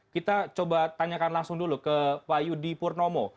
kita coba tanyakan langsung dulu ke pak yudi purnomo